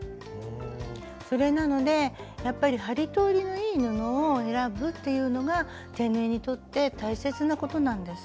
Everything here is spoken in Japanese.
それなのでやっぱり針通りのいい布を選ぶっていうのが手縫いにとって大切なことなんです。